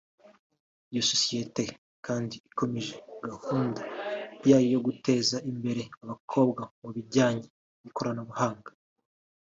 Iyi sosiyete kandi ikomeje gahunda yayo yo guteza imbere abakobwa mu bijyanye n’ikoranabuhanga